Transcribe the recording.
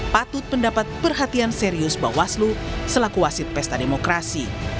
patut mendapat perhatian serius bawaslu selaku wasit pesta demokrasi